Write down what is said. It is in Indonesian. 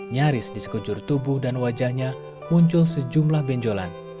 nyaris disekujur tubuh dan wajahnya muncul sejumlah benjolan